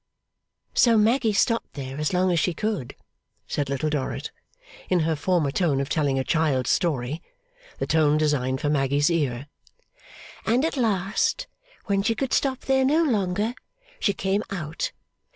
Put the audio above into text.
'So Maggy stopped there as long as she could,' said Little Dorrit, in her former tone of telling a child's story; the tone designed for Maggy's ear, 'and at last, when she could stop there no longer, she came out.